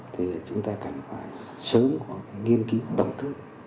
thì chúng ta cần phải sớm có cái nghiên ký động tư